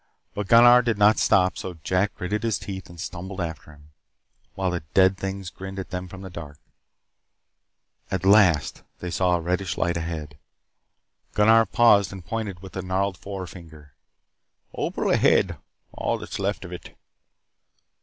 But Gunnar did not stop. So Jack gritted his teeth and stumbled after him, while the dead things grinned at them from the dark. At last they saw a reddish light ahead. Gunnar paused and pointed with a gnarled forefinger. "Opal ahead. All that is left of it."